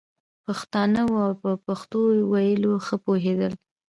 پښتانه وو او په پښتو ویلو ښه پوهېدل.